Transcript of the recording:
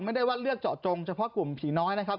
ไม่ได้ว่าเลือกเจาะจงเฉพาะกลุ่มผีน้อยนะครับ